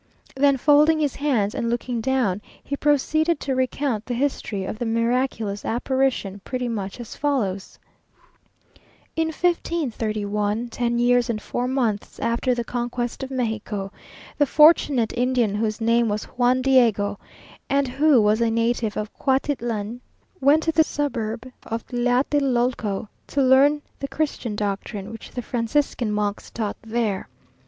Then folding his hands, and looking down, he proceeded to recount the history of the miraculous apparition, pretty much as follows: In 1531, ten years and four months after the conquest of Mexico, the fortunate Indian whose name was Juan Diego, and who was a native of Cuatitlan, went to the suburb of Tlaltelolco to learn the Christian doctrine which the Franciscan monks taught there.